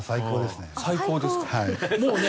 最高ですね。